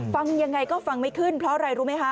ฟังยังไงก็ฟังไม่ขึ้นเพราะอะไรรู้ไหมคะ